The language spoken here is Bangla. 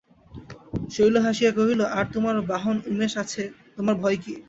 শৈল হাসিয়া কহিল, আর তোমার বাহন উমেশ আছে, তোমার ভয় কী?